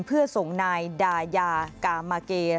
เพื่อส่งนายดายากามาเก